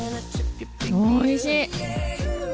おいしい！